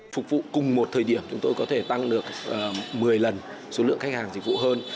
phục vụ cùng một thời điểm chúng tôi có thể tăng được một mươi lần số lượng khách hàng dịch vụ hơn